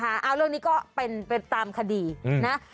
เอาเรื่องนี้ก็เป็นตามคดีนะ